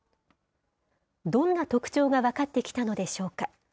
どんな特徴が分かってきたのでしょうか。